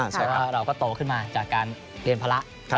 แต่ว่าเราก็โตขึ้นมาจากการเรียนภาระ